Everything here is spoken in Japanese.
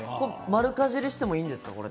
丸かじりしてもいいですか？